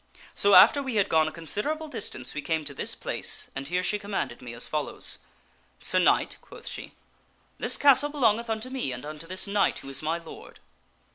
So after we had gone a considerable distance we came to this place and here she commanded me as follows: 'Sir Knight/ quoth she, ' this castle be longeth unto me and unto this knight who is my lord.